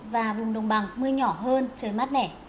và vùng đồng bằng mưa nhỏ hơn trời mát mẻ